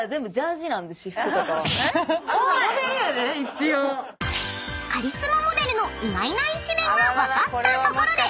［カリスマモデルの意外な一面が分かったところで］